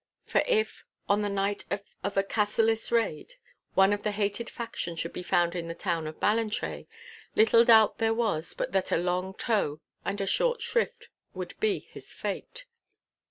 For if, on the night of a Cassillis raid, one of the hated faction should be found in the town of Ballantrae, little doubt there was but that a long tow and a short shrift would be his fate.